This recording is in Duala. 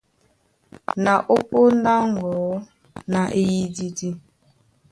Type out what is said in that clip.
Na ó póndá á ŋgɔ̌ na eyididi.